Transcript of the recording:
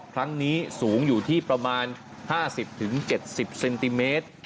ครั้งนี้สูงอยู่ที่ประมาณ๕๐๗๐เซนติเมตร